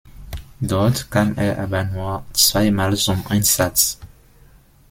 Dort kam er aber nur zweimal zum Einsatz.